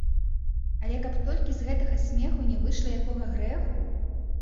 Але каб толькі з гэтага смеху не выйшла якога грэху?